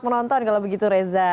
nonton kalau begitu reza